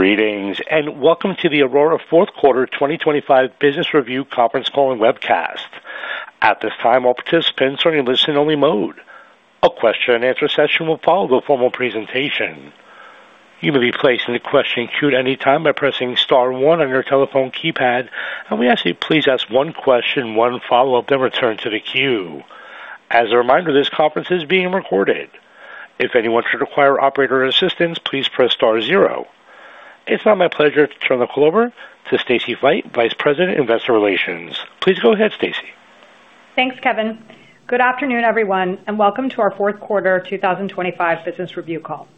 Greetings and welcome to the Aurora Fourth Quarter 2025 Business Review Conference Call and Webcast. At this time, all participants are in listen-only mode. A question-and-answer session will follow the formal presentation. You may be placed in the question queue at any time by pressing star one on your telephone keypad, and we ask that you please ask one question, one follow-up, then return to the queue. As a reminder, this conference is being recorded. If anyone should require operator assistance, please press star zero. It's now my pleasure to turn the call over to Stacy Feit, Vice President Investor Relations. Please go ahead, Stacy. Thanks, Kevin. Good afternoon, everyone, and welcome to our Fourth Quarter 2025 Business Review Call.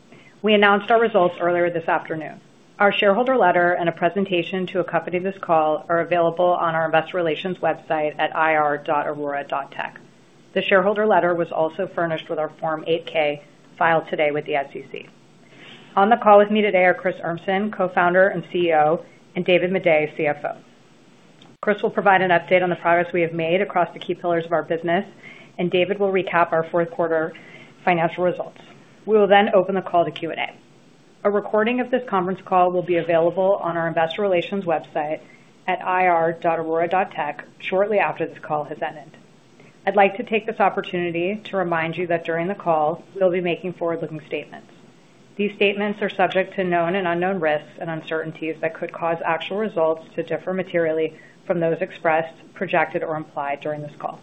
We announced our results earlier this afternoon. Our shareholder letter and a presentation to accompany this call are available on our Investor Relations website at ir.aurora.tech. The shareholder letter was also furnished with our Form 8-K filed today with the SEC. On the call with me today are Chris Urmson, Co-Founder and CEO, and David Maday, CFO. Chris will provide an update on the progress we have made across the key pillars of our business, and David will recap our Fourth Quarter financial results. We will then open the call to Q&A. A recording of this conference call will be available on our Investor Relations website at ir.aurora.tech shortly after this call has ended. I'd like to take this opportunity to remind you that during the call we'll be making forward-looking statements. These statements are subject to known and unknown risks and uncertainties that could cause actual results to differ materially from those expressed, projected, or implied during this call.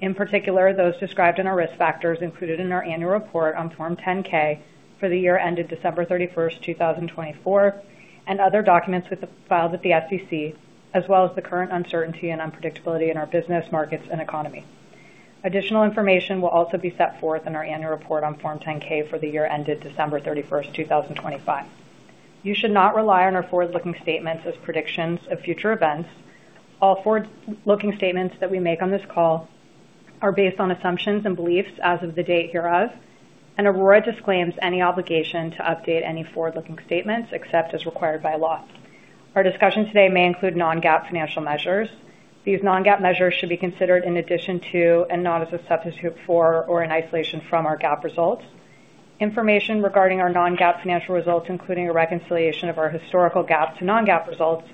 In particular, those described in our risk factors included in our annual report on Form 10-K for the year ended December 31st, 2024, and other documents filed at the SEC, as well as the current uncertainty and unpredictability in our business, markets, and economy. Additional information will also be set forth in our annual report on Form 10-K for the year ended December 31st, 2025. You should not rely on our forward-looking statements as predictions of future events. All forward-looking statements that we make on this call are based on assumptions and beliefs as of the date hereof, and Aurora disclaims any obligation to update any forward-looking statements except as required by law. Our discussion today may include non-GAAP financial measures. These non-GAAP measures should be considered in addition to and not as a substitute for or in isolation from our GAAP results. Information regarding our non-GAAP financial results, including a reconciliation of our historical GAAP to non-GAAP results,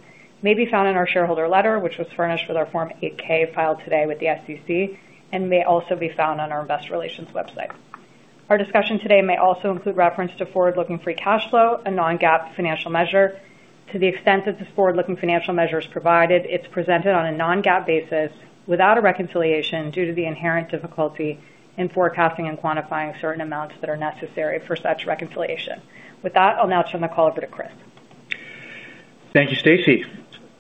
may be found in our shareholder letter, which was furnished with our Form 8-K filed today with the SEC, and may also be found on our Investor Relations website. Our discussion today may also include reference to forward-looking free cash flow, a non-GAAP financial measure. To the extent that this forward-looking financial measure is provided, it's presented on a non-GAAP basis without a reconciliation due to the inherent difficulty in forecasting and quantifying certain amounts that are necessary for such reconciliation. With that, I'll now turn the call over to Chris. Thank you, Stacy.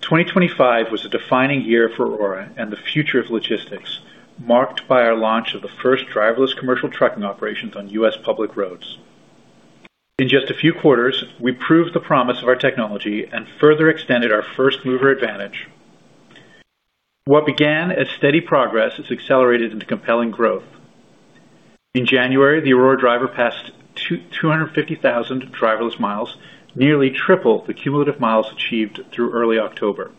2025 was a defining year for Aurora and the future of logistics, marked by our launch of the first driverless commercial trucking operations on U.S. public roads. In just a few quarters, we proved the promise of our technology and further extended our first-mover advantage. What began as steady progress has accelerated into compelling growth. In January, the Aurora Driver passed 250,000 driverless miles, nearly triple the cumulative miles achieved through early October.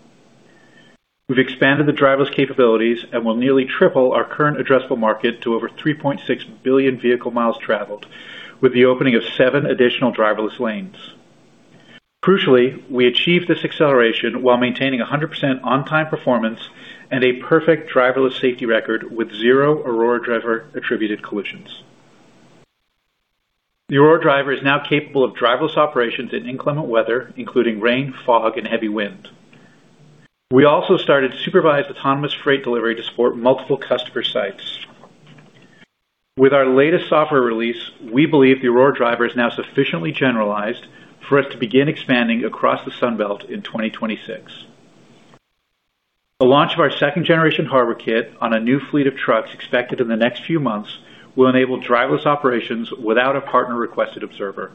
We've expanded the driverless capabilities and will nearly triple our current addressable market to over 3.6 billion vehicle miles traveled, with the opening of seven additional driverless lanes. Crucially, we achieved this acceleration while maintaining 100% on-time performance and a perfect driverless safety record with zero Aurora Driver-attributed collisions. The Aurora Driver is now capable of driverless operations in inclement weather, including rain, fog, and heavy wind. We also started supervised autonomous freight delivery to support multiple customer sites. With our latest software release, we believe the Aurora Driver is now sufficiently generalized for us to begin expanding across the Sunbelt in 2026. The launch of our second-generation Harbor kit on a new fleet of trucks expected in the next few months will enable driverless operations without a partner-requested observer.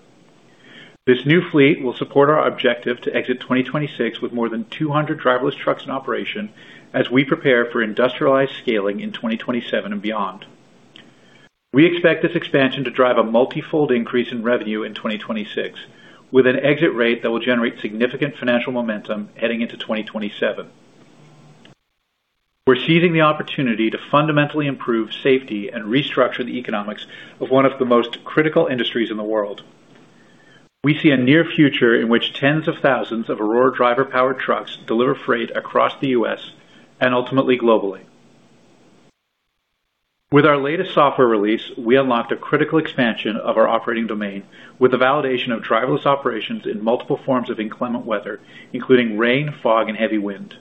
This new fleet will support our objective to exit 2026 with more than 200 driverless trucks in operation as we prepare for industrialized scaling in 2027 and beyond. We expect this expansion to drive a multifold increase in revenue in 2026, with an exit rate that will generate significant financial momentum heading into 2027. We're seizing the opportunity to fundamentally improve safety and restructure the economics of one of the most critical industries in the world. We see a near future in which tens of thousands of Aurora Driver-powered trucks deliver freight across the U.S. and ultimately globally. With our latest software release, we unlocked a critical expansion of our operating domain with the validation of driverless operations in multiple forms of inclement weather, including rain, fog, and heavy wind.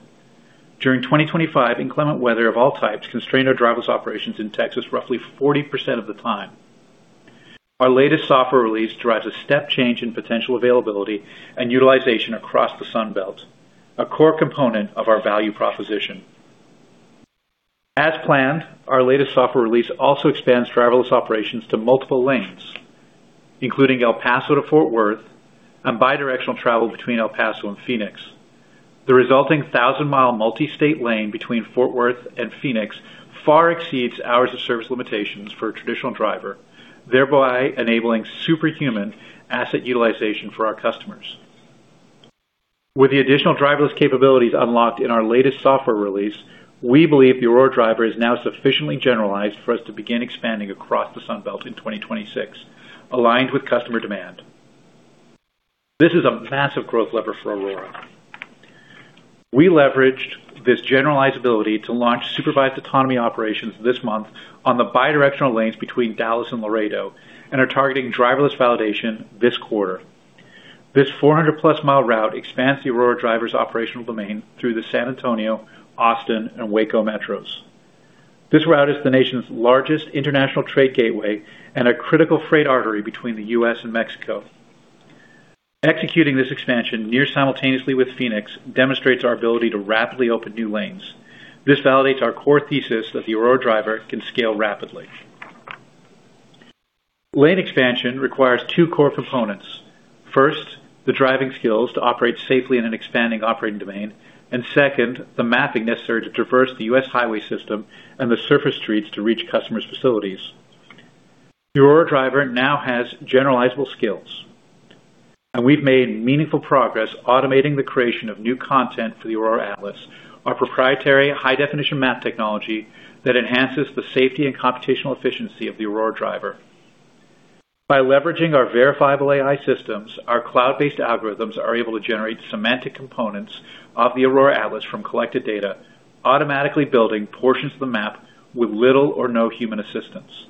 During 2025, inclement weather of all types constrained our driverless operations in Texas roughly 40% of the time. Our latest software release drives a step change in potential availability and utilization across the Sunbelt, a core component of our value proposition. As planned, our latest software release also expands driverless operations to multiple lanes, including El Paso to Fort Worth and bidirectional travel between El Paso and Phoenix. The resulting 1,000-mile multi-state lane between Fort Worth and Phoenix far exceeds hours of service limitations for a traditional driver, thereby enabling superhuman asset utilization for our customers. With the additional driverless capabilities unlocked in our latest software release, we believe the Aurora Driver is now sufficiently generalized for us to begin expanding across the Sunbelt in 2026, aligned with customer demand. This is a massive growth lever for Aurora. We leveraged this generalizability to launch supervised autonomy operations this month on the bidirectional lanes between Dallas and Laredo and are targeting driverless validation this quarter. This 400+-mile route expands the Aurora Driver's operational domain through the San Antonio, Austin, and Waco metros. This route is the nation's largest international trade gateway and a critical freight artery between the U.S. and Mexico. Executing this expansion near simultaneously with Phoenix demonstrates our ability to rapidly open new lanes. This validates our core thesis that the Aurora Driver can scale rapidly. Lane expansion requires two core components. First, the driving skills to operate safely in an expanding operating domain, and second, the mapping necessary to traverse the U.S. highway system and the surface streets to reach customers' facilities. The Aurora Driver now has generalizable skills, and we've made meaningful progress automating the creation of new content for the Aurora Atlas, our proprietary high-definition map technology that enhances the safety and computational efficiency of the Aurora Driver. By leveraging our Verifiable AI systems, our cloud-based algorithms are able to generate semantic components of the Aurora Atlas from collected data, automatically building portions of the map with little or no human assistance.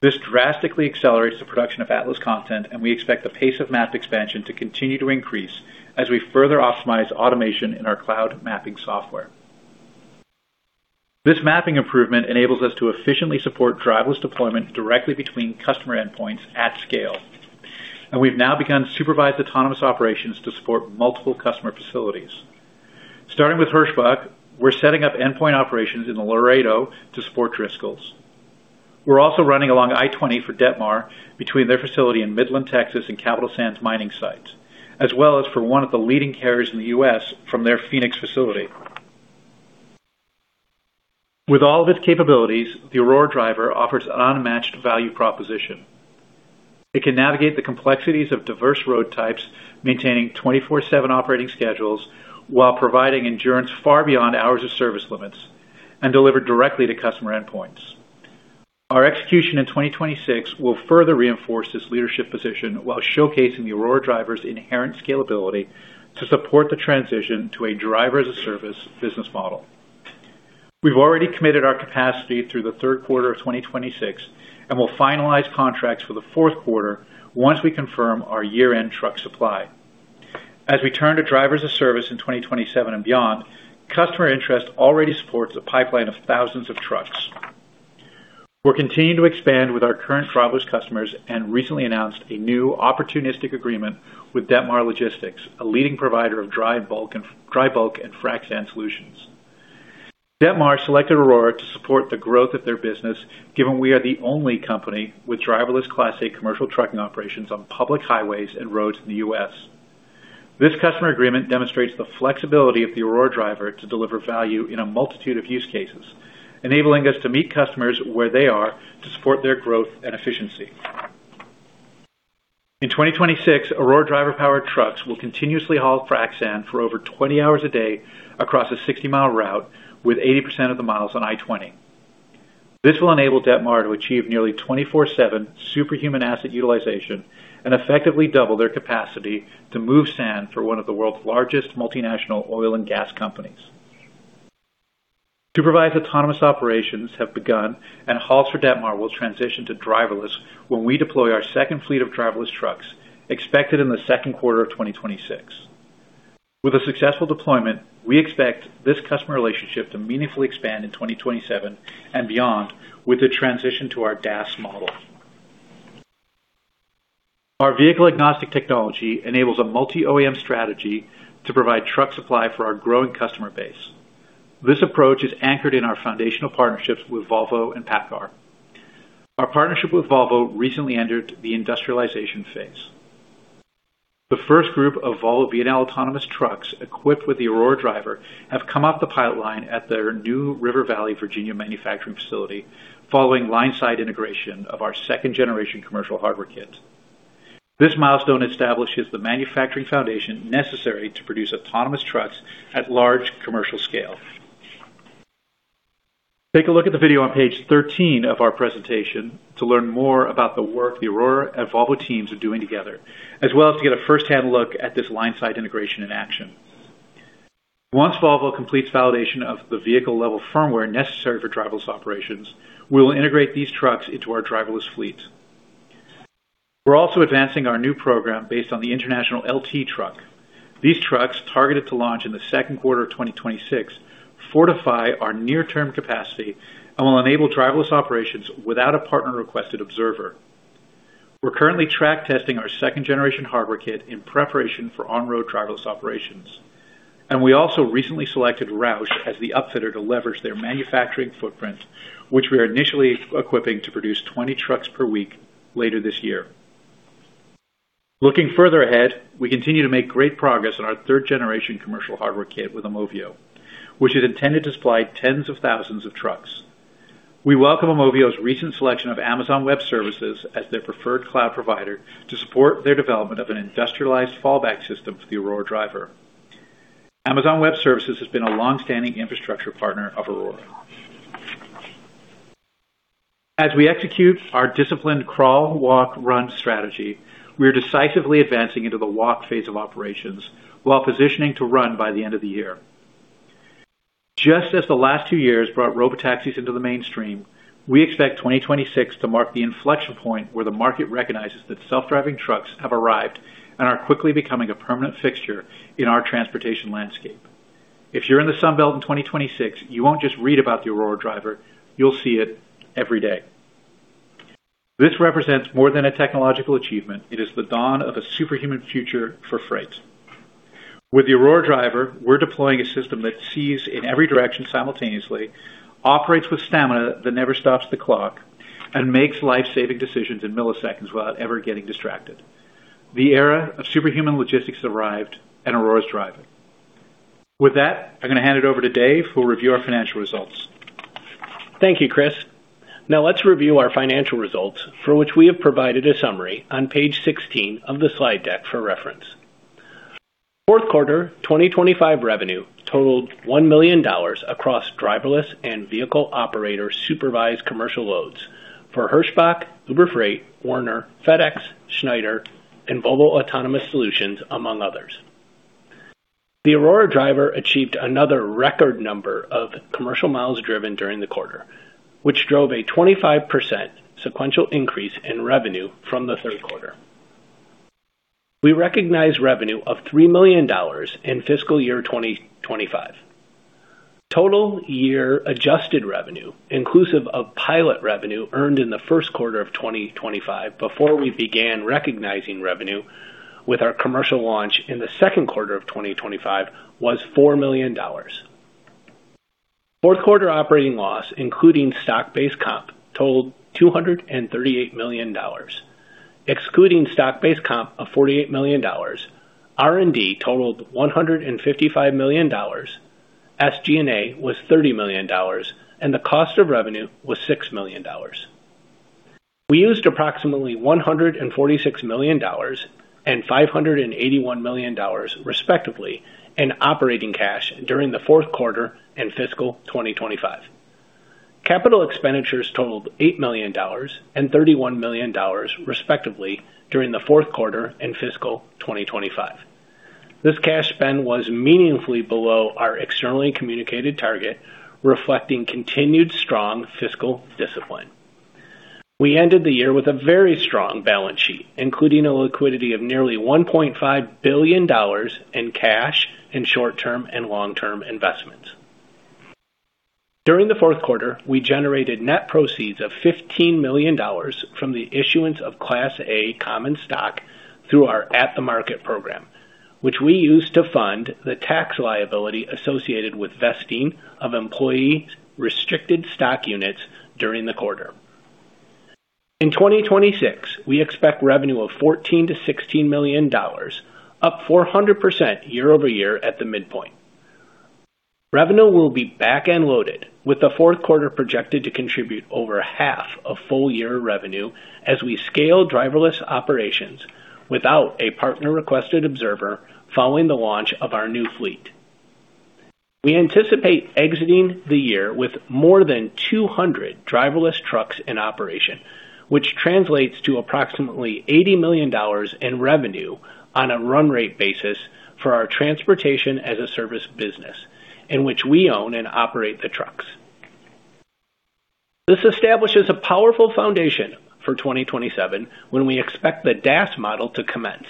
This drastically accelerates the production of Atlas content, and we expect the pace of map expansion to continue to increase as we further optimize automation in our cloud mapping software. This mapping improvement enables us to efficiently support driverless deployment directly between customer endpoints at scale, and we've now begun supervised autonomous operations to support multiple customer facilities. Starting with Hirschbach, we're setting up endpoint operations in Laredo to support Driscoll's. We're also running along I-20 for Detmar between their facility in Midland, Texas, and Capital Sand mining sites, as well as for one of the leading carriers in the U.S. from their Phoenix facility. With all of its capabilities, the Aurora Driver offers an unmatched value proposition. It can navigate the complexities of diverse road types, maintaining 24/7 operating schedules while providing endurance far beyond hours of service limits, and deliver directly to customer endpoints. Our execution in 2026 will further reinforce this leadership position while showcasing the Aurora Driver's inherent scalability to support the transition to a driver-as-a-service business model. We've already committed our capacity through the third quarter of 2026 and will finalize contracts for the fourth quarter once we confirm our year-end truck supply. As we turn to driver-as-a-service in 2027 and beyond, customer interest already supports a pipeline of thousands of trucks. We're continuing to expand with our current driverless customers and recently announced a new opportunistic agreement with Detmar Logistics, a leading provider of dry bulk and frac sand solutions. Detmar selected Aurora to support the growth of their business, given we are the only company with driverless class A commercial trucking operations on public highways and roads in the U.S. This customer agreement demonstrates the flexibility of the Aurora Driver to deliver value in a multitude of use cases, enabling us to meet customers where they are to support their growth and efficiency. In 2026, Aurora Driver-powered trucks will continuously haul frac sand for over 20 hours a day across a 60-mile route, with 80% of the miles on I-20. This will enable Detmar to achieve nearly 24/7 superhuman asset utilization and effectively double their capacity to move sand for one of the world's largest multinational oil and gas companies. Supervised autonomous operations have begun, and hauls for Detmar will transition to driverless when we deploy our second fleet of driverless trucks, expected in the second quarter of 2026. With a successful deployment, we expect this customer relationship to meaningfully expand in 2027 and beyond with the transition to our DAS model. Our vehicle-agnostic technology enables a multi-OEM strategy to provide truck supply for our growing customer base. This approach is anchored in our foundational partnerships with Volvo and PACCAR. Our partnership with Volvo recently entered the industrialization phase. The first group of Volvo VNL Autonomous trucks equipped with the Aurora Driver have come off the pilot line at their New River Valley, Virginia, manufacturing facility following line-side integration of our second-generation commercial hardware kit. This milestone establishes the manufacturing foundation necessary to produce autonomous trucks at large commercial scale. Take a look at the video on page 13 of our presentation to learn more about the work the Aurora and Volvo teams are doing together, as well as to get a firsthand look at this line-side integration in action. Once Volvo completes validation of the vehicle-level firmware necessary for driverless operations, we will integrate these trucks into our driverless fleet. We're also advancing our new program based on the International LT truck. These trucks, targeted to launch in the second quarter of 2026, fortify our near-term capacity and will enable driverless operations without a partner-requested observer. We're currently track-testing our second-generation hardware kit in preparation for on-road driverless operations, and we also recently selected Roush as the upfitter to leverage their manufacturing footprint, which we are initially equipping to produce 20 trucks per week later this year. Looking further ahead, we continue to make great progress on our third-generation commercial hardware kit with AUMOVIO, which is intended to supply tens of thousands of trucks. We welcome AUMOVIO's recent selection of Amazon Web Services as their preferred cloud provider to support their development of an industrialized fallback system for the Aurora Driver. Amazon Web Services has been a longstanding infrastructure partner of Aurora. As we execute our disciplined crawl, walk, run strategy, we are decisively advancing into the walk phase of operations while positioning to run by the end of the year. Just as the last two years brought robotaxis into the mainstream, we expect 2026 to mark the inflection point where the market recognizes that self-driving trucks have arrived and are quickly becoming a permanent fixture in our transportation landscape. If you're in the Sunbelt in 2026, you won't just read about the Aurora Driver. You'll see it every day. This represents more than a technological achievement. It is the dawn of a superhuman future for freight. With the Aurora Driver, we're deploying a system that sees in every direction simultaneously, operates with stamina that never stops the clock, and makes life-saving decisions in milliseconds without ever getting distracted. The era of superhuman logistics has arrived, and Aurora is driving. With that, I'm going to hand it over to Dave, who will review our financial results. Thank you, Chris. Now, let's review our financial results, for which we have provided a summary on page 16 of the slide deck for reference. Fourth quarter 2025 revenue totaled $1 million across driverless and vehicle-operator-supervised commercial loads for Hirschbach, Uber Freight, Werner, FedEx, Schneider, and Volvo Autonomous Solutions, among others. The Aurora Driver achieved another record number of commercial miles driven during the quarter, which drove a 25% sequential increase in revenue from the third quarter. We recognize revenue of $3 million in fiscal year 2025. Total year-adjusted revenue, inclusive of pilot revenue earned in the first quarter of 2025 before we began recognizing revenue with our commercial launch in the second quarter of 2025, was $4 million. Fourth quarter operating loss, including stock-based comp, totaled $238 million. Excluding stock-based comp of $48 million, R&D totaled $155 million, SG&A was $30 million, and the cost of revenue was $6 million. We used approximately $146 million and $581 million, respectively, in operating cash during the fourth quarter and fiscal 2025. Capital expenditures totaled $8 million and $31 million, respectively, during the fourth quarter and fiscal 2025. This cash spend was meaningfully below our externally communicated target, reflecting continued strong fiscal discipline. We ended the year with a very strong balance sheet, including a liquidity of nearly $1.5 billion in cash in short-term and long-term investments. During the fourth quarter, we generated net proceeds of $15 million from the issuance of Class A common stock through our At the Market program, which we use to fund the tax liability associated with vesting of employees' restricted stock units during the quarter. In 2026, we expect revenue of $14 million-$16 million, up 400% year-over-year at the midpoint. Revenue will be back-end loaded, with the fourth quarter projected to contribute over half of full-year revenue as we scale driverless operations without a partner-requested observer following the launch of our new fleet. We anticipate exiting the year with more than 200 driverless trucks in operation, which translates to approximately $80 million in revenue on a run-rate basis for our transportation-as-a-service business, in which we own and operate the trucks. This establishes a powerful foundation for 2027 when we expect the DAS model to commence.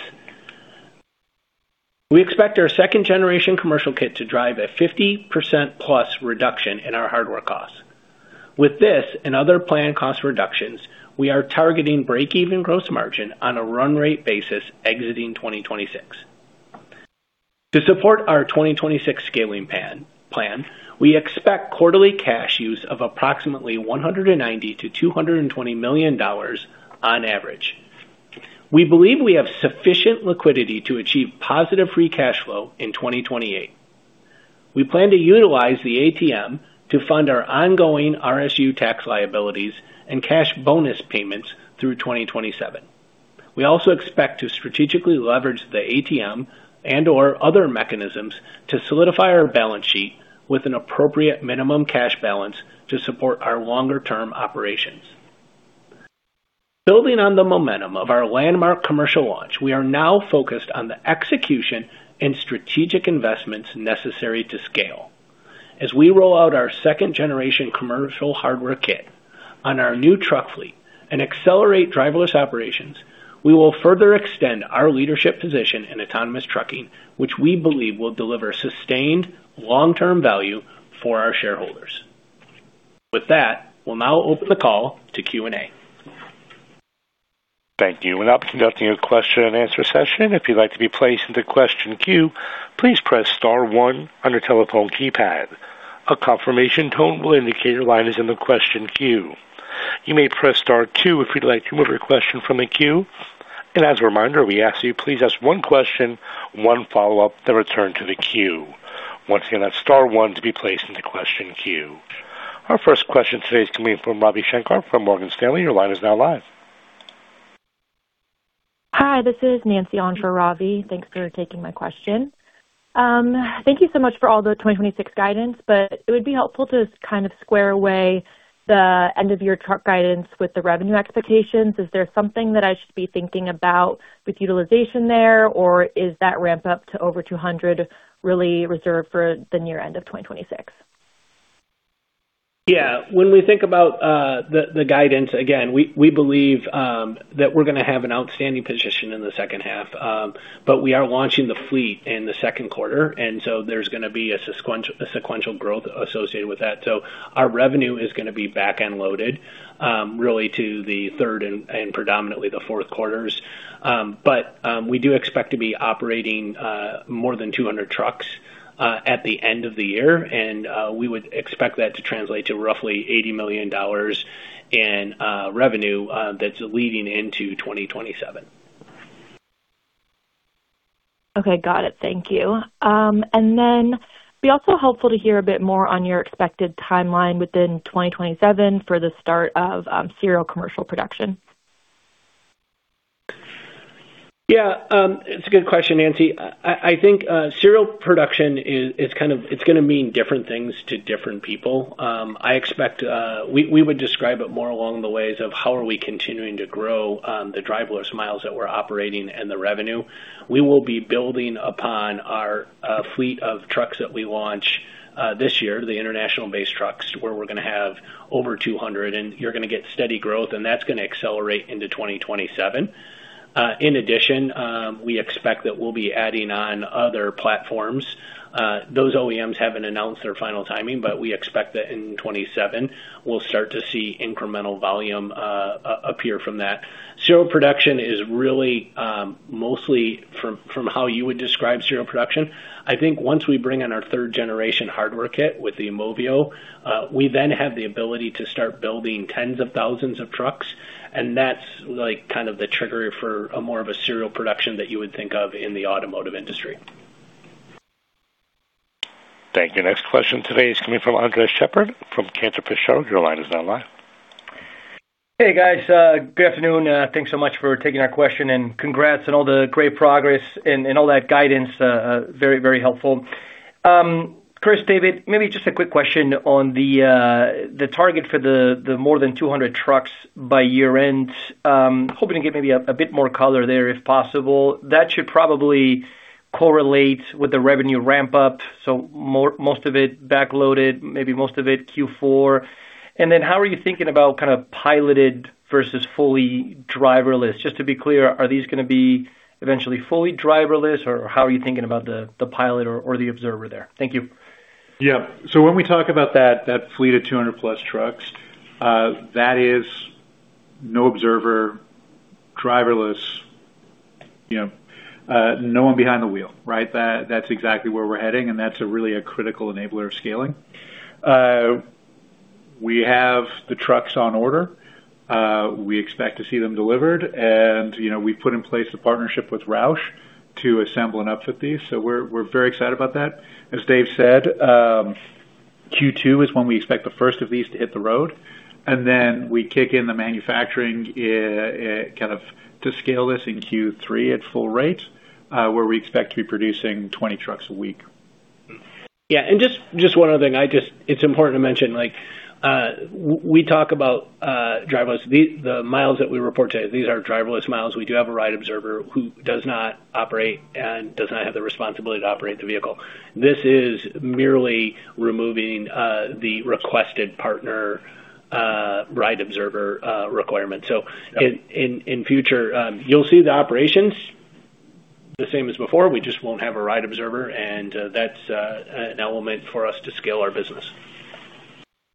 We expect our second-generation commercial kit to drive a 50%-plus reduction in our hardware costs. With this and other planned cost reductions, we are targeting break-even gross margin on a run-rate basis exiting 2026. To support our 2026 scaling plan, we expect quarterly cash use of approximately $190-$220 million on average. We believe we have sufficient liquidity to achieve positive free cash flow in 2028. We plan to utilize the ATM to fund our ongoing RSU tax liabilities and cash bonus payments through 2027. We also expect to strategically leverage the ATM and/or other mechanisms to solidify our balance sheet with an appropriate minimum cash balance to support our longer-term operations. Building on the momentum of our landmark commercial launch, we are now focused on the execution and strategic investments necessary to scale. As we roll out our second-generation commercial hardware kit on our new truck fleet and accelerate driverless operations, we will further extend our leadership position in autonomous trucking, which we believe will deliver sustained, long-term value for our shareholders. With that, we'll now open the call to Q&A. Thank you. Without conducting a question-and-answer session, if you'd like to be placed into question queue, please press star one on your telephone keypad. A confirmation tone will indicate your line is in the question queue. You may press star two if you'd like to remove your question from the queue. As a reminder, we ask that you please ask one question, one follow-up, then return to the queue. Once again, that's star one to be placed into question queue. Our first question today is coming in from Ravi Shanker from Morgan Stanley. Your line is now live. Hi, this is Nancy of for Ravi. Thanks for taking my question. Thank you so much for all the 2026 guidance, but it would be helpful to kind of square away the end-of-year truck guidance with the revenue expectations. Is there something that I should be thinking about with utilization there, or is that ramp-up to over 200 really reserved for the near end of 2026? Yeah. When we think about the guidance, again, we believe that we're going to have an outstanding position in the second half, but we are launching the fleet in the second quarter, and so there's going to be a sequential growth associated with that. So our revenue is going to be back-end loaded, really, to the third and predominantly the fourth quarters. But we do expect to be operating more than 200 trucks at the end of the year, and we would expect that to translate to roughly $80 million in revenue that's leading into 2027. Okay. Got it. Thank you. Then it'd be also helpful to hear a bit more on your expected timeline within 2027 for the start of serial commercial production. Yeah. It's a good question, Nancy. I think serial production is kind of it's going to mean different things to different people. We would describe it more along the ways of how are we continuing to grow the driverless miles that we're operating and the revenue. We will be building upon our fleet of trucks that we launch this year, the International-based trucks, where we're going to have over 200, and you're going to get steady growth, and that's going to accelerate into 2027. In addition, we expect that we'll be adding on other platforms. Those OEMs haven't announced their final timing, but we expect that in 2027, we'll start to see incremental volume appear from that. Serial production is really mostly from how you would describe serial production. I think once we bring in our third-generation hardware kit with the AUMOVIO, we then have the ability to start building tens of thousands of trucks, and that's kind of the trigger for more of a serial production that you would think of in the automotive industry. Thank you. Next question today is coming from Andres Sheppard from Cantor Fitzgerald. Your line is now live. Hey, guys. Good afternoon. Thanks so much for taking our question, and congrats on all the great progress and all that guidance. Very, very helpful. Chris, David, maybe just a quick question on the target for the more than 200 trucks by year-end. Hoping to get maybe a bit more color there, if possible. That should probably correlate with the revenue ramp-up, so most of it back-loaded, maybe most of it Q4. And then how are you thinking about kind of piloted versus fully driverless? Just to be clear, are these going to be eventually fully driverless, or how are you thinking about the pilot or the observer there? Thank you. Yep. So when we talk about that fleet of 200-plus trucks, that is no observer, driverless, no one behind the wheel, right? That's exactly where we're heading, and that's really a critical enabler of scaling. We have the trucks on order. We expect to see them delivered, and we've put in place a partnership with Roush to assemble and upfit these, so we're very excited about that. As Dave said, Q2 is when we expect the first of these to hit the road, and then we kick in the manufacturing kind of to scale this in Q3 at full rate, where we expect to be producing 20 trucks a week. Yeah. And just one other thing. It's important to mention. We talk about driverless. The miles that we report today, these are driverless miles. We do have a ride observer who does not operate and does not have the responsibility to operate the vehicle. This is merely removing the requested partner ride observer requirement. So in future, you'll see the operations the same as before. We just won't have a ride observer, and that's an element for us to scale our business.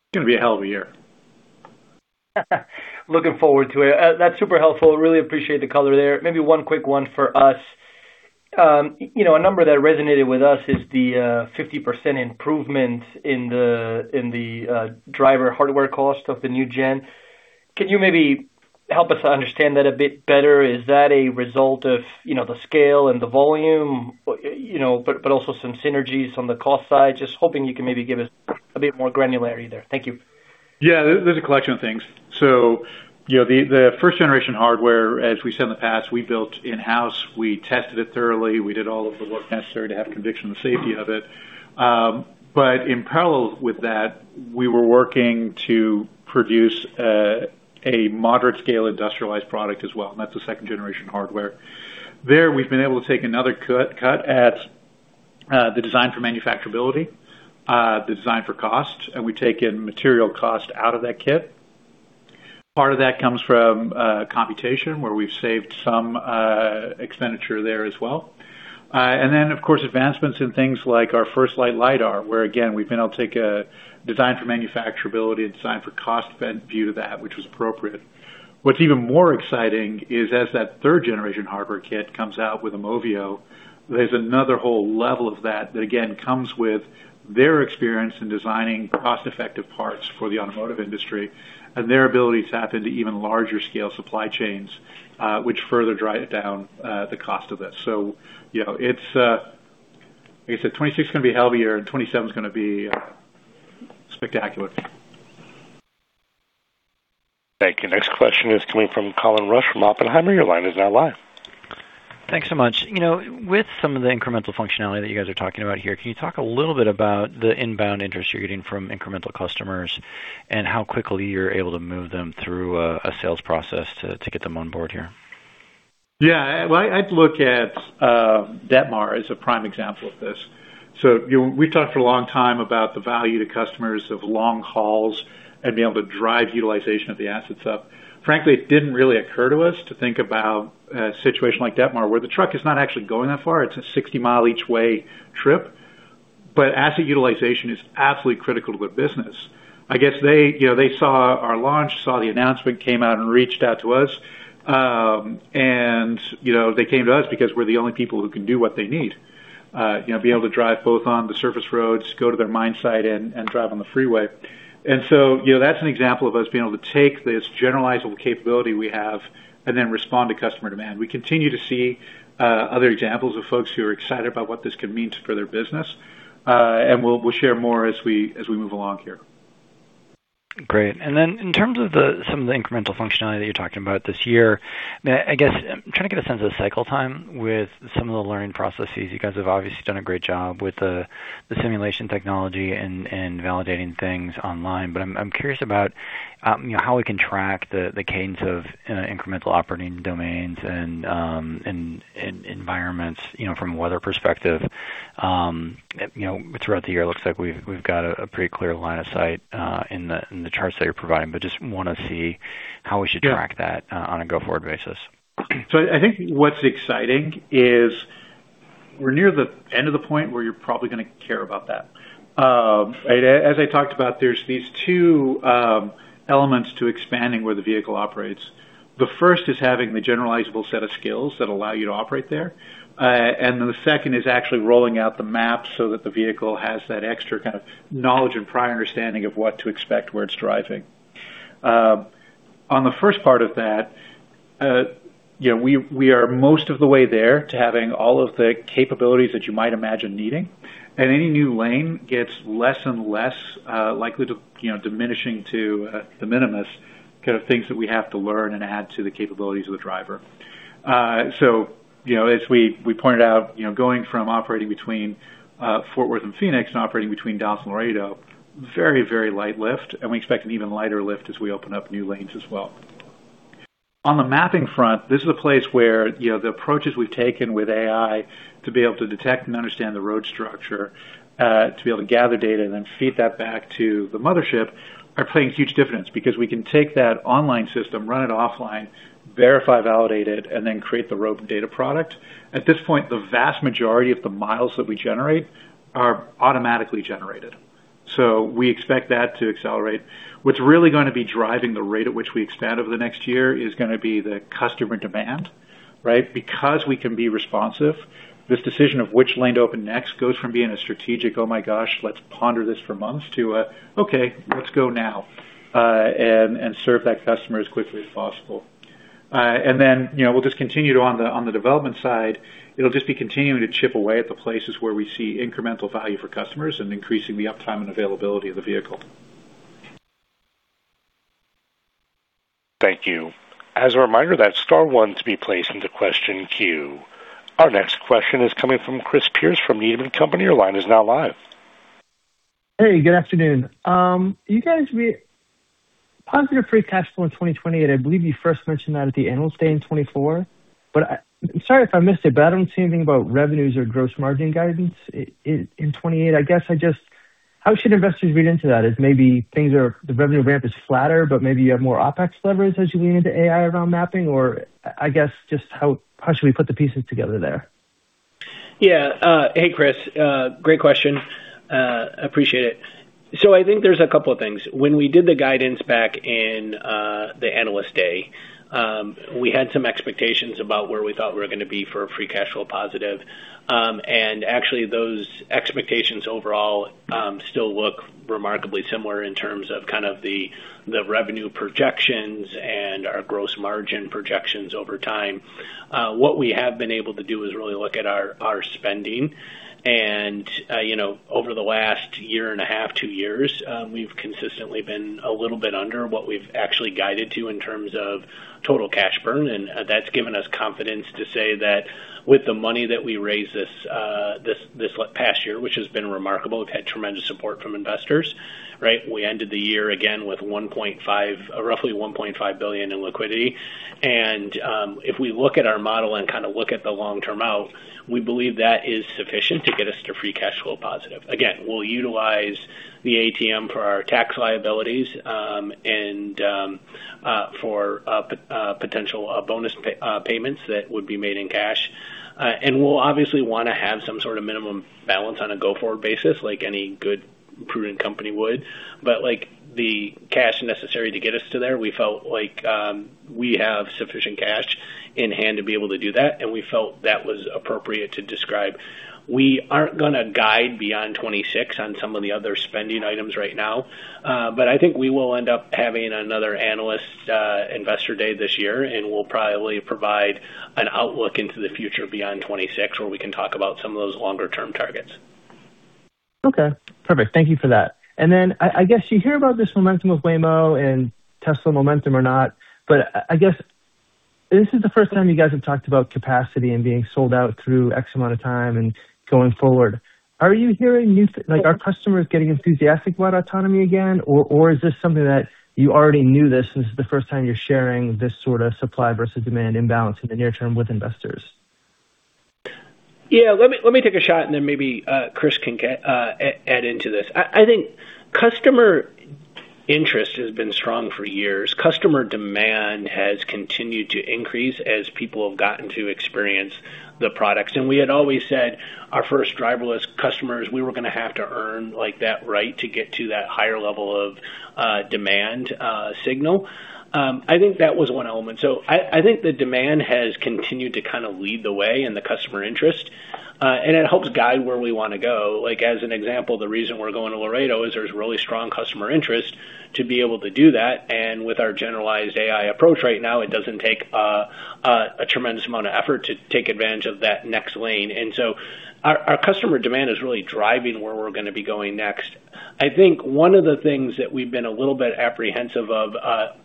It's going to be a hell of a year. Looking forward to it. That's super helpful. Really appreciate the color there. Maybe one quick one for us. A number that resonated with us is the 50% improvement in the driver hardware cost of the new gen. Can you maybe help us understand that a bit better? Is that a result of the scale and the volume, but also some synergies on the cost side? Just hoping you can maybe give us a bit more granularity there. Thank you. Yeah. There's a collection of things. So the first-generation hardware, as we said in the past, we built in-house. We tested it thoroughly. We did all of the work necessary to have conviction of the safety of it. But in parallel with that, we were working to produce a moderate-scale industrialized product as well, and that's the second-generation hardware. There, we've been able to take another cut at the design for manufacturability, the design for cost, and we've taken material cost out of that kit. Part of that comes from computation, where we've saved some expenditure there as well. Then, of course, advancements in things like our FirstLight lidar, where, again, we've been able to take a design for manufacturability and design for cost standpoint to that, which was appropriate. What's even more exciting is, as that third-generation hardware kit comes out with AUMOVIO, there's another whole level of that that, again, comes with their experience in designing cost-effective parts for the automotive industry and their ability to tap into even larger-scale supply chains, which further drives down the cost of this. So it's, like I said, 2026 is going to be heavier, and 2027 is going to be spectacular. Thank you. Next question is coming from Colin Rusch from Oppenheimer. Your line is now live. Thanks so much. With some of the incremental functionality that you guys are talking about here, can you talk a little bit about the inbound interest you're getting from incremental customers and how quickly you're able to move them through a sales process to get them on board here? Yeah. Well, I'd look at Detmar as a prime example of this. So we've talked for a long time about the value to customers of long hauls and being able to drive utilization of the assets up. Frankly, it didn't really occur to us to think about a situation like Detmar, where the truck is not actually going that far. It's a 60-mile each-way trip, but asset utilization is absolutely critical to their business. I guess they saw our launch, saw the announcement, came out and reached out to us, and they came to us because we're the only people who can do what they need, being able to drive both on the surface roads, go to their mine site, and drive on the freeway. And so that's an example of us being able to take this generalizable capability we have and then respond to customer demand. We continue to see other examples of folks who are excited about what this can mean for their business, and we'll share more as we move along here. Great. And then in terms of some of the incremental functionality that you're talking about this year, I guess I'm trying to get a sense of cycle time with some of the learning processes. You guys have obviously done a great job with the simulation technology and validating things online, but I'm curious about how we can track the cadence of incremental operating domains and environments from a weather perspective. Throughout the year, it looks like we've got a pretty clear line of sight in the charts that you're providing, but just want to see how we should track that on a go-forward basis. So I think what's exciting is we're near the end of the point where you're probably going to care about that. As I talked about, there's these two elements to expanding where the vehicle operates. The first is having the generalizable set of skills that allow you to operate there, and then the second is actually rolling out the map so that the vehicle has that extra kind of knowledge and prior understanding of what to expect where it's driving. On the first part of that, we are most of the way there to having all of the capabilities that you might imagine needing, and any new lane gets less and less likely to diminishing to the minimum kind of things that we have to learn and add to the capabilities of the driver. So as we pointed out, going from operating between Fort Worth and Phoenix to operating between Dallas and Laredo, very, very light lift, and we expect an even lighter lift as we open up new lanes as well. On the mapping front, this is a place where the approaches we've taken with AI to be able to detect and understand the road structure, to be able to gather data and then feed that back to the mothership, are playing huge difference because we can take that online system, run it offline, verify, validate it, and then create the rope data product. At this point, the vast majority of the miles that we generate are automatically generated, so we expect that to accelerate. What's really going to be driving the rate at which we expand over the next year is going to be the customer demand, right? Because we can be responsive, this decision of which lane to open next goes from being a strategic, "Oh my gosh, let's ponder this for months," to a, "Okay, let's go now and serve that customer as quickly as possible." And then we'll just continue to on the development side, it'll just be continuing to chip away at the places where we see incremental value for customers and increasing the uptime and availability of the vehicle. Thank you. As a reminder, that's star one to be placed into question queue. Our next question is coming from Chris Pierce from Needham & Company. Your line is now live. Hey, good afternoon. You guys project positive free cash flow in 2028. I believe you first mentioned that at the annual Investor Day in 2024. I'm sorry if I missed it, but I don't see anything about revenues or gross margin guidance in 2028. I guess I just—how should investors read into that? Is maybe the revenue ramp flatter, but maybe you have more OpEx leverage as you lean into AI around mapping, or I guess just how should we put the pieces together there? Yeah. Hey, Chris. Great question. I appreciate it. So I think there's a couple of things. When we did the guidance back in the analyst day, we had some expectations about where we thought we were going to be for a free cash flow positive, and actually, those expectations overall still look remarkably similar in terms of kind of the revenue projections and our gross margin projections over time. What we have been able to do is really look at our spending, and over the last year and a half, two years, we've consistently been a little bit under what we've actually guided to in terms of total cash burn, and that's given us confidence to say that with the money that we raised this past year, which has been remarkable, we've had tremendous support from investors, right? We ended the year again with roughly $1.5 billion in liquidity, and if we look at our model and kind of look at the long-term out, we believe that is sufficient to get us to free cash flow positive. Again, we'll utilize the ATM for our tax liabilities and for potential bonus payments that would be made in cash, and we'll obviously want to have some sort of minimum balance on a go-forward basis, like any good, prudent company would. But the cash necessary to get us to there, we felt like we have sufficient cash in hand to be able to do that, and we felt that was appropriate to describe. We aren't going to guide beyond 2026 on some of the other spending items right now, but I think we will end up having another analyst investor day this year, and we'll probably provide an outlook into the future beyond 2026 where we can talk about some of those longer-term targets. Okay. Perfect. Thank you for that. And then I guess you hear about this momentum with Waymo and Tesla momentum or not, but I guess this is the first time you guys have talked about capacity and being sold out through X amount of time and going forward. Are you hearing, or are customers getting enthusiastic about autonomy again, or is this something that you already knew this, and this is the first time you're sharing this sort of supply versus demand imbalance in the near term with investors? Yeah. Let me take a shot, and then maybe Chris can add into this. I think customer interest has been strong for years. Customer demand has continued to increase as people have gotten to experience the products, and we had always said our first driverless customers, we were going to have to earn that right to get to that higher level of demand signal. I think that was one element. So I think the demand has continued to kind of lead the way in the customer interest, and it helps guide where we want to go. As an example, the reason we're going to Laredo is there's really strong customer interest to be able to do that, and with our generalized AI approach right now, it doesn't take a tremendous amount of effort to take advantage of that next lane. And so our customer demand is really driving where we're going to be going next. I think one of the things that we've been a little bit apprehensive of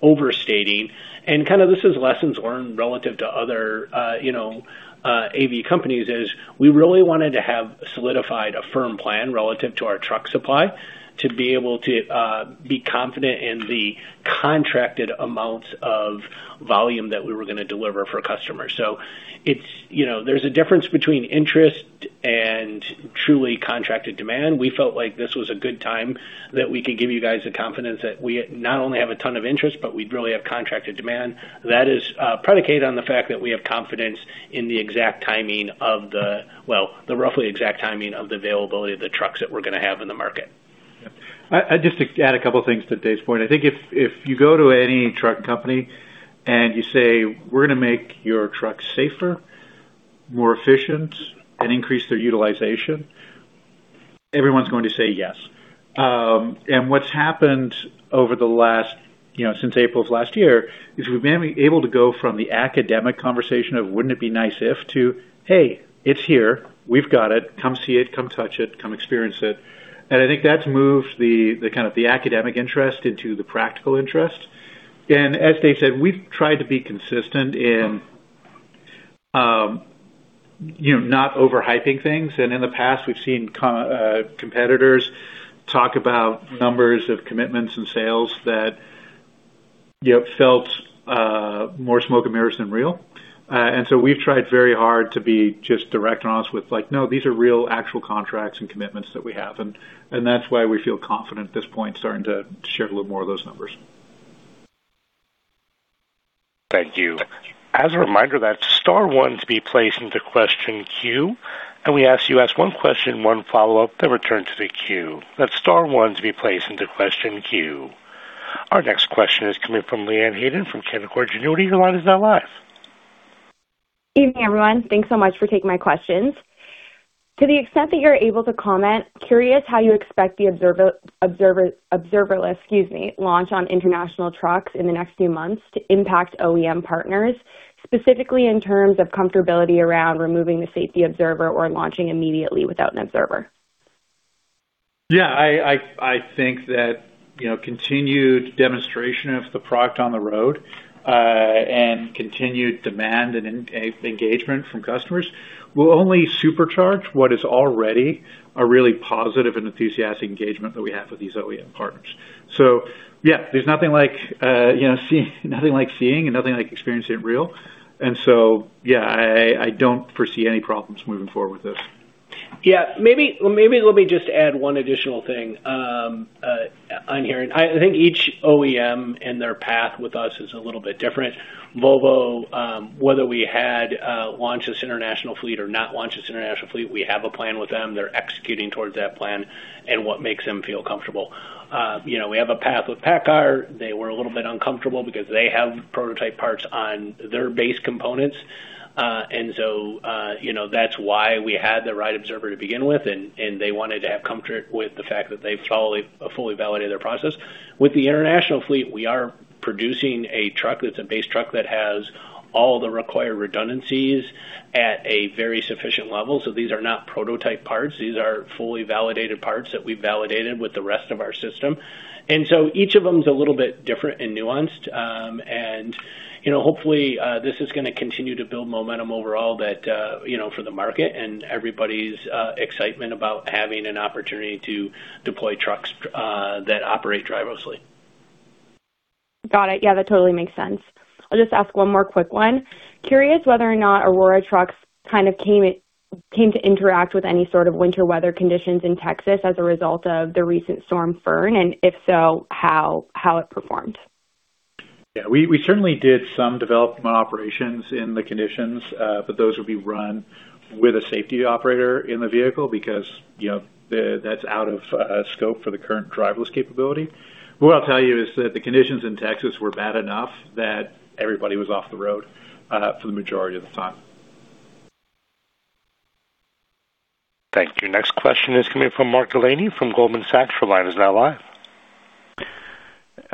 overstating—and kind of this is lessons learned relative to other AV companies—is we really wanted to have solidified a firm plan relative to our truck supply to be able to be confident in the contracted amounts of volume that we were going to deliver for customers. So there's a difference between interest and truly contracted demand. We felt like this was a good time that we could give you guys the confidence that we not only have a ton of interest, but we'd really have contracted demand. That is predicated on the fact that we have confidence in the exact timing of the well, the roughly exact timing of the availability of the trucks that we're going to have in the market. I'd just add a couple of things to Dave's point. I think if you go to any truck company and you say, "We're going to make your trucks safer, more efficient, and increase their utilization," everyone's going to say yes. And what's happened over the last since April of last year is we've been able to go from the academic conversation of, "Wouldn't it be nice if," to, "Hey, it's here. We've got it. Come see it. Come touch it. Come experience it." I think that's moved kind of the academic interest into the practical interest. As Dave said, we've tried to be consistent in not overhyping things, and in the past, we've seen competitors talk about numbers of commitments and sales that felt more smoke and mirrors than real. So we've tried very hard to be just direct and honest with, "No, these are real actual contracts and commitments that we have," and that's why we feel confident at this point starting to share a little more of those numbers. Thank you. As a reminder, that's star one to be placed into question queue, and we ask you ask one question, one follow-up, then return to the queue. That's star one to be placed into question queue. Our next question is coming from Leanne Hayden from Canaccord Genuity. Your line is now live. Evening, everyone. Thanks so much for taking my questions. To the extent that you're able to comment, curious how you expect the observerless launch on International Trucks in the next few months to impact OEM partners, specifically in terms of comfortability around removing the safety observer or launching immediately without an observer. Yeah. I think that continued demonstration of the product on the road and continued demand and engagement from customers will only supercharge what is already a really positive and enthusiastic engagement that we have with these OEM partners. So yeah, there's nothing like seeing and nothing like experiencing it real. And so yeah, I don't foresee any problems moving forward with this. Yeah. Maybe let me just add one additional thing on here. I think each OEM and their path with us is a little bit different. Volvo, whether we had launched this international fleet or not launched this international fleet, we have a plan with them. They're executing towards that plan and what makes them feel comfortable. We have a path with PACCAR. They were a little bit uncomfortable because they have prototype parts on their base components, and so that's why we had the ride observer to begin with, and they wanted to have comfort with the fact that they fully validated their process. With the international fleet, we are producing a truck that's a base truck that has all the required redundancies at a very sufficient level. So these are not prototype parts. These are fully validated parts that we've validated with the rest of our system. So each of them's a little bit different and nuanced, and hopefully, this is going to continue to build momentum overall for the market and everybody's excitement about having an opportunity to deploy trucks that operate driverlessly. Got it. Yeah, that totally makes sense. I'll just ask one more quick one. Curious whether or not Aurora Trucks kind of came to interact with any sort of winter weather conditions in Texas as a result of the recent storm front, and if so, how it performed? Yeah. We certainly did some development operations in the conditions, but those would be run with a safety operator in the vehicle because that's out of scope for the current driverless capability. What I'll tell you is that the conditions in Texas were bad enough that everybody was off the road for the majority of the time. Thank you. Next question is coming from Mark Delaney from Goldman Sachs. Your line is now live.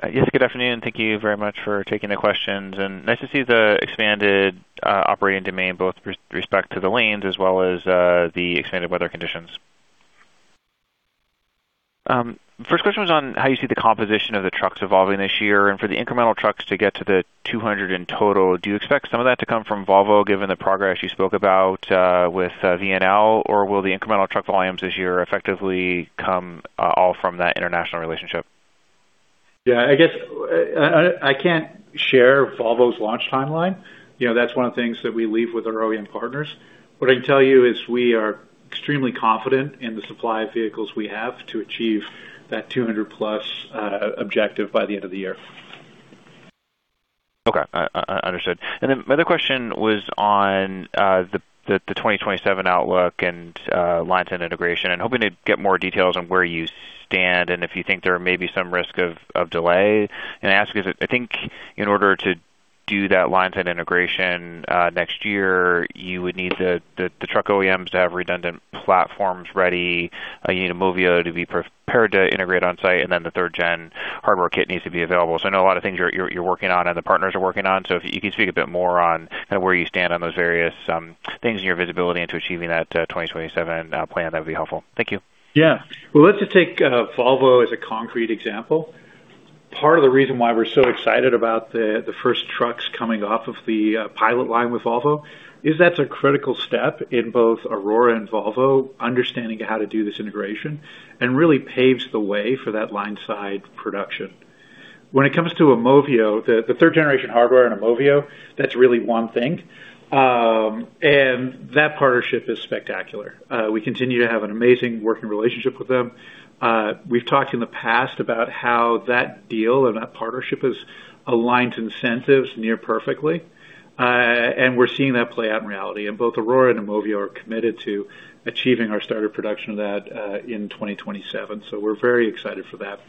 Yes. Good afternoon. Thank you very much for taking the questions, and nice to see the expanded operating domain both with respect to the lanes as well as the expanded weather conditions. First question was on how you see the composition of the trucks evolving this year. For the incremental trucks to get to the 200 in total, do you expect some of that to come from Volvo given the progress you spoke about with VNL, or will the incremental truck volumes this year effectively come all from that international relationship? Yeah. I guess I can't share Volvo's launch timeline. That's one of the things that we leave with our OEM partners. What I can tell you is we are extremely confident in the supply of vehicles we have to achieve that 200+ objective by the end of the year. Okay. Understood. And then my other question was on the 2027 outlook and lineside integration, and hoping to get more details on where you stand and if you think there may be some risk of delay. And I ask because I think in order to do that lineside integration next year, you would need the truck OEMs to have redundant platforms ready, you need AUMOVIO to be prepared to integrate on-site, and then the third-gen hardware kit needs to be available. So I know a lot of things you're working on and the partners are working on, so if you can speak a bit more on kind of where you stand on those various things and your visibility into achieving that 2027 plan, that would be helpful. Thank you. Yeah. Well, let's just take Volvo as a concrete example. Part of the reason why we're so excited about the first trucks coming off of the pilot line with Volvo is that's a critical step in both Aurora and Volvo understanding how to do this integration and really paves the way for that line-side production. When it comes to AUMOVIO, the third-generation hardware in AUMOVIO, that's really one thing, and that partnership is spectacular. We continue to have an amazing working relationship with them. We've talked in the past about how that deal and that partnership has aligned incentives near perfectly, and we're seeing that play out in reality. And both Aurora and AUMOVIO are committed to achieving our startup production of that in 2027, so we're very excited for that.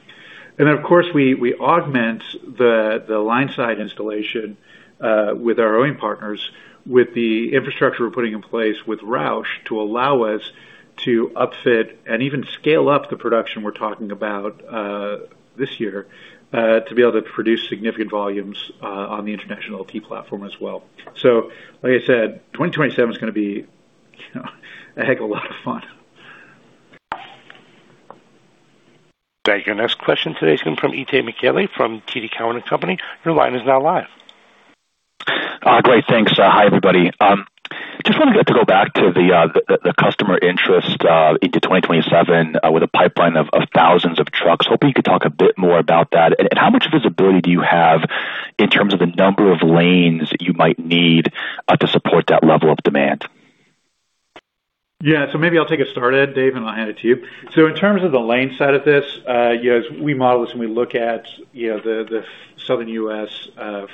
And then, of course, we augment the line-side installation with our OEM partners with the infrastructure we're putting in place with Roush to allow us to upfit and even scale up the production we're talking about this year to be able to produce significant volumes on the International LT Series platform as well. So like I said, 2027's going to be a heck of a lot of fun. Thank you. Next question today is coming from Ethan Kelly from TD Cowen & Company. Your line is now live. Great. Thanks. Hi, everybody. Just wanted to go back to the customer interest in 2027 with a pipeline of thousands of trucks. Hoping you could talk a bit more about that. And how much visibility do you have in terms of the number of lanes you might need to support that level of demand? Yeah. So maybe I'll take it first, Dave, and I'll hand it to you. So in terms of the lane side of this, as we model this and we look at the southern U.S.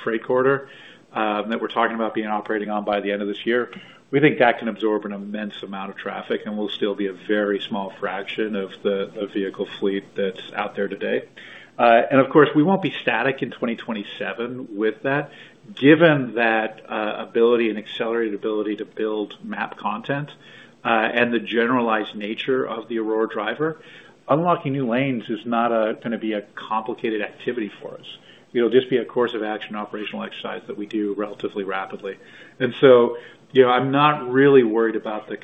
freight corridor that we're talking about operating on by the end of this year, we think that can absorb an immense amount of traffic, and we'll still be a very small fraction of the vehicle fleet that's out there today. Of course, we won't be static in 2027 with that. Given that ability and accelerated ability to build map content and the generalized nature of the Aurora Driver, unlocking new lanes is not going to be a complicated activity for us. It'll just be a course of action, operational exercise that we do relatively rapidly. And so I'm not really worried about the,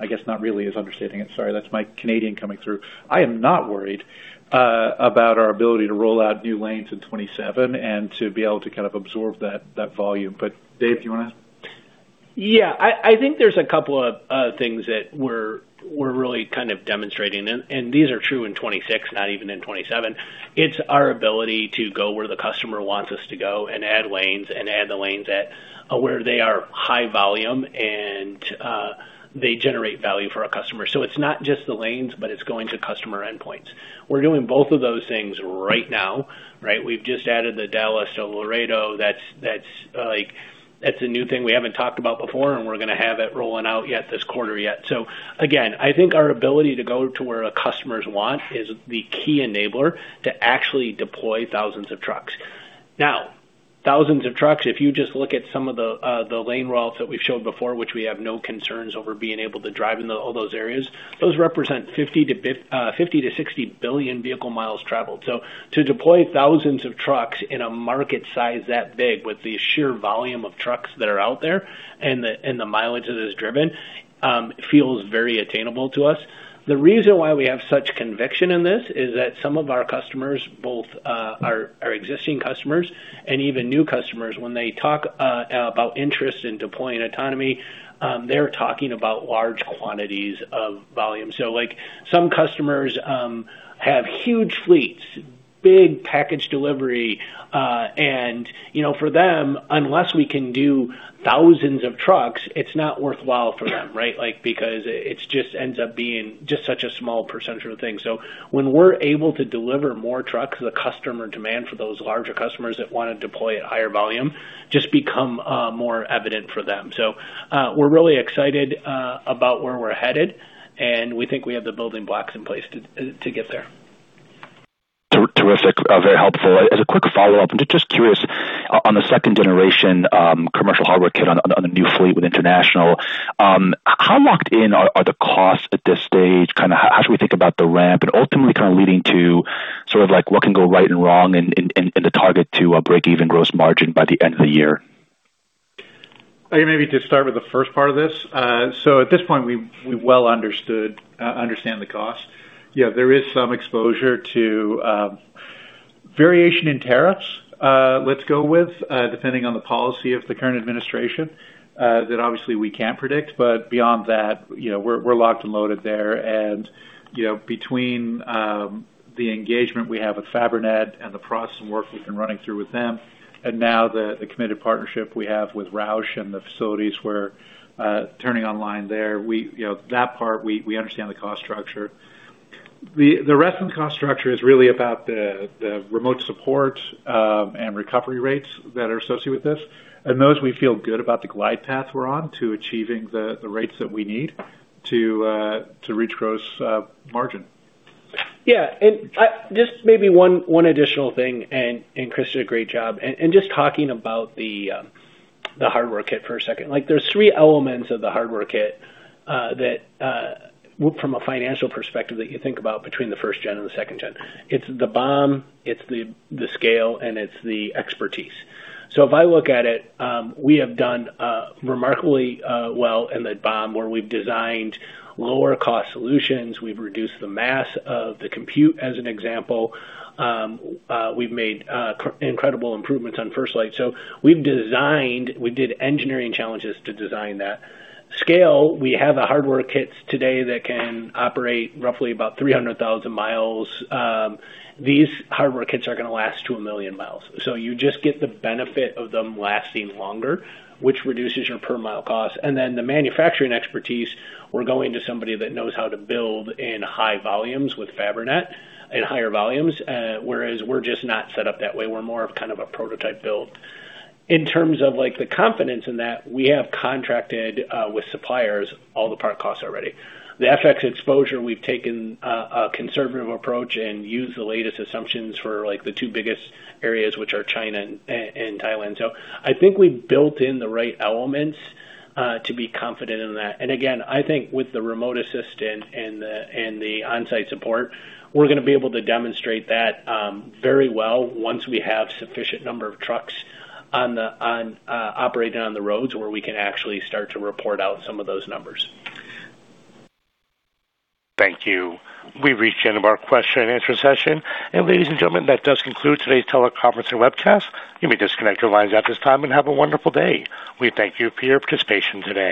I guess, not really understanding it. Sorry. That's my Canadian coming through. I am not worried about our ability to roll out new lanes in 2027 and to be able to kind of absorb that volume. But Dave, do you want to? Yeah. I think there's a couple of things that we're really kind of demonstrating, and these are true in 2026, not even in 2027. It's our ability to go where the customer wants us to go and add lanes and add the lanes at where they are high volume and they generate value for our customer. So it's not just the lanes, but it's going to customer endpoints. We're doing both of those things right now, right? We've just added the Dallas to Laredo. That's a new thing we haven't talked about before, and we're going to have it rolling out yet this quarter yet. So again, I think our ability to go to where customers want is the key enabler to actually deploy thousands of trucks. Now, thousands of trucks, if you just look at some of the lane routes that we've showed before, which we have no concerns over being able to drive in all those areas, those represent 50-60 billion vehicle miles traveled. So to deploy thousands of trucks in a market size that big with the sheer volume of trucks that are out there and the mileage that is driven feels very attainable to us. The reason why we have such conviction in this is that some of our customers, both our existing customers and even new customers, when they talk about interest in deploying autonomy, they're talking about large quantities of volume. So some customers have huge fleets, big package delivery, and for them, unless we can do thousands of trucks, it's not worthwhile for them, right, because it just ends up being just such a small percentage of the thing. So when we're able to deliver more trucks, the customer demand for those larger customers that want to deploy at higher volume just becomes more evident for them. So we're really excited about where we're headed, and we think we have the building blocks in place to get there. Terrific. Very helpful. As a quick follow-up, I'm just curious, on the second-generation commercial hardware kit on the new fleet with International, how locked in are the costs at this stage? Kind of how should we think about the ramp and ultimately kind of leading to sort of what can go right and wrong in the target to a break-even gross margin by the end of the year? Maybe to start with the first part of this. So at this point, we well understand the costs. There is some exposure to variation in tariffs, let's go with, depending on the policy of the current administration that obviously we can't predict. But beyond that, we're locked and loaded there. And between the engagement we have with Fabrinet and the process and work we've been running through with them and now the committed partnership we have with Roush and the facilities we're turning online there, that part, we understand the cost structure. The rest of the cost structure is really about the remote support and recovery rates that are associated with this, and those we feel good about the glide path we're on to achieving the rates that we need to reach gross margin. Yeah. And just maybe one additional thing, and Chris did a great job, and just talking about the hardware kit for a second. There's three elements of the hardware kit from a financial perspective that you think about between the first gen and the second gen. It's the BOM, it's the scale, and it's the expertise. So if I look at it, we have done remarkably well in the BOM where we've designed lower-cost solutions. We've reduced the mass of the compute, as an example. We've made incredible improvements on FirstLight. So we've designed. We did engineering challenges to design that. Scale, we have the hardware kits today that can operate roughly about 300,000 miles. These hardware kits are going to last 2,000,000 miles. So you just get the benefit of them lasting longer, which reduces your per-mile cost. And then the manufacturing expertise, we're going to somebody that knows how to build in high volumes with Fabrinet in higher volumes, whereas we're just not set up that way. We're more of kind of a prototype build. In terms of the confidence in that, we have contracted with suppliers all the part costs already. The FX exposure, we've taken a conservative approach and used the latest assumptions for the two biggest areas, which are China and Thailand. So I think we've built in the right elements to be confident in that. And again, I think with the remote assist and the on-site support, we're going to be able to demonstrate that very well once we have sufficient number of trucks operating on the roads where we can actually start to report out some of those numbers. Thank you. We've reached the end of our question-and-answer session. And ladies and gentlemen, that does conclude today's teleconference and webcast. You may disconnect your lines at this time and have a wonderful day. We thank you for your participation today.